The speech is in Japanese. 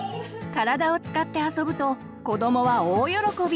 体を使って遊ぶと子どもは大喜び！